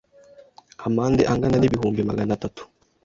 amande angana n’ibihumbi magana tatu